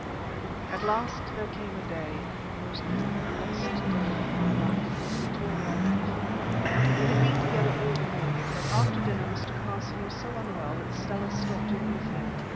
At last there came a day—the most blessed of my life, when we told our love. We had been together all the morning, but after dinner Mr. Carson was so unwell that Stella stopped in with him.